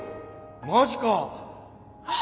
マジか！？